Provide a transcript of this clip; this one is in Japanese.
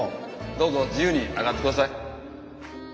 どうぞ自由に上がってください。